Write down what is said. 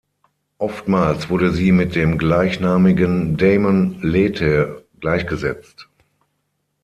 Oftmals wurde sie mit dem gleichnamigen Daimon Lethe gleichgesetzt.